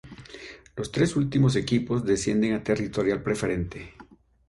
Los tres últimos equipos descienden a Territorial Preferente.